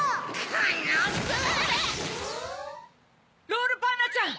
ロールパンナちゃん！